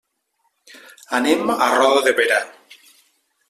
Anem a Roda de Berà.